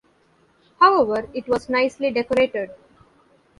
However, it was nicely decorated.